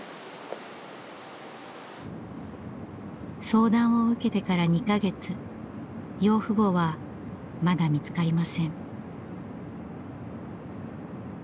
相談を受けてから２か月養父母はまだ見つかりません。